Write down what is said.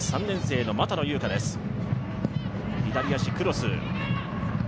３年生の俣野佑果です。